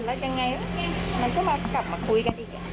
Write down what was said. แล้วยังไงมันก็มากลับมาคุยกันอีก